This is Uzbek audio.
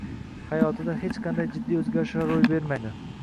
hayotida hech qanday jiddiy o‘zgarishlar ro‘y bermaydi.